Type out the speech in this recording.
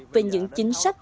về những chính sách